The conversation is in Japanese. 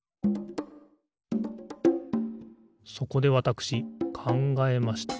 そこでわたしくかんがえました。